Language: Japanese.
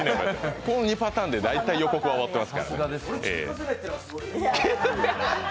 この２パターンで大体予告は終わってますから。